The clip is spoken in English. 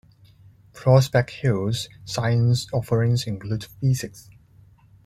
Prospect Hill's science offerings include physics.